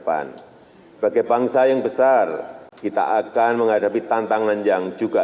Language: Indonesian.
penyelenggaraan yang berbeda penyelenggaraan yang berbeda